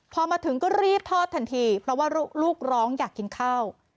พอมาถึงก็รีบทอดทันทีเพราะว่าลูกร้องอยากกินข้าว